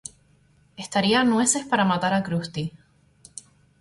Estaría nueces para matar a Krusty.